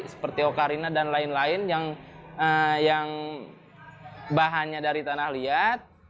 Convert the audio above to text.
seperti ocarina dan lain lain yang bahannya dari tanah liat